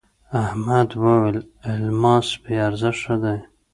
احمد وويل: الماس بې ارزښته دی.